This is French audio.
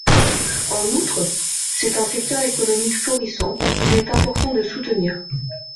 En outre, c’est un secteur économique florissant, qu’il est important de soutenir.